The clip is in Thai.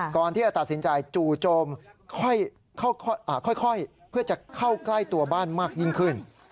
ก่อนที่จะตัดสินใจจู่โจมค่อยเพื่อจะเข้าใกล้ตัวบ้านมากยิ่งขึ้น